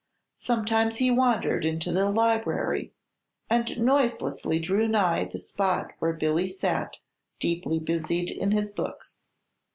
Sometimes he wandered into the library, and noiselessly drew nigh the spot where Billy sat deeply busied in his books.